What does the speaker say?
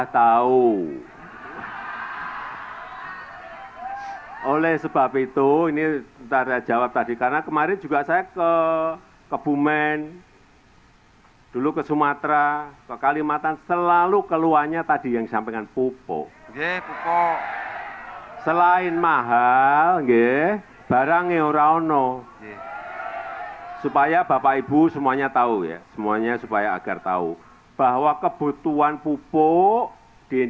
presiden joko widodo berdialog dengan warga saat penyerahan surat keputusan pengelolaan perhutanan sosial kepada masyarakat kelompok tani hutan